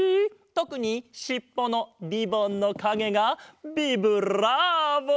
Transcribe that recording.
とくにしっぽのリボンのかげがビブラーボ！